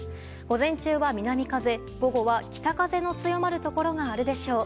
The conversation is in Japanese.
午前中は南風、午後は北風の強まるところがあるでしょう。